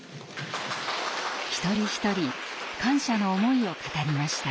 一人一人感謝の思いを語りました。